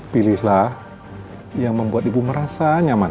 pilihlah yang membuat ibu merasa nyaman